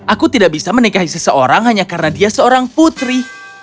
aku tidak bisa menikahi seseorang hanya karena dia seorang putri